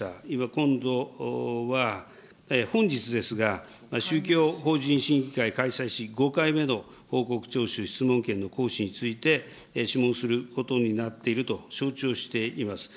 今度は本日ですが、宗教法人審議会開催し、報告徴収質問権に対し、質問することになっていると承知をしています。